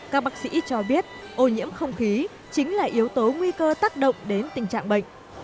các bác sĩ cho biết ô nhiễm không khí chính là yếu tố nguy cơ tác động đến tình trạng bệnh